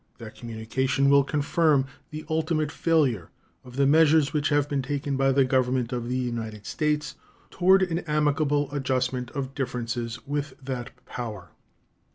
That communication will confirm the ultimate failure of the measures which have been taken by the Government of the United States toward an amicable adjustment of differences with that power.